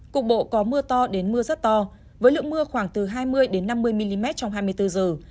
cục bộ có mưa to đến mưa rất to với lượng mưa khoảng từ hai mươi năm mươi mm trong hai mươi bốn giờ